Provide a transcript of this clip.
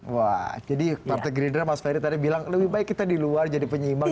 wah jadi partai gerindra mas ferry tadi bilang lebih baik kita di luar jadi penyeimbang